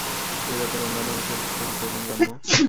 ইউরোপের অন্যান্য অংশের তখন প্রথম জন্ম।